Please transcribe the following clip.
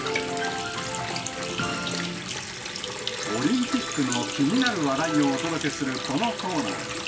オリンピックの気になる話題をお届けするこのコーナー。